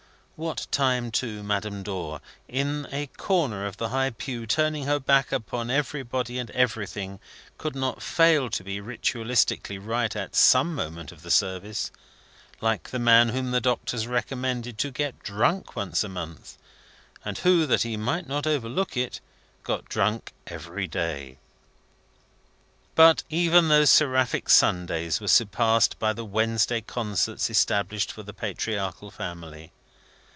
What time, too, Madame Dor in a corner of the high pew, turning her back upon everybody and everything, could not fail to be Ritualistically right at some moment of the service; like the man whom the doctors recommended to get drunk once a month, and who, that he might not overlook it, got drunk every day. But, even those seraphic Sundays were surpassed by the Wednesday concerts established for the patriarchal family.